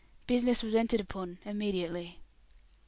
Business was entered upon immediately.